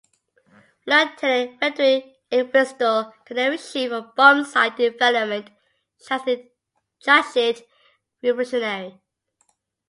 Lieutenant Frederick Entwistle, the Navy's chief of bombsight development, judged it revolutionary.